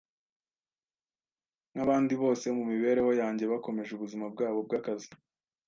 nkabandi bose mumibereho yanjye bakomeje ubuzima bwabo bwakazi